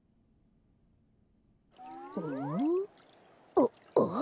あっ？あっ？